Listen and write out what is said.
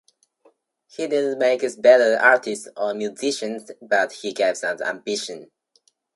He didn't make us better artists or musicians, but he gave us ambition.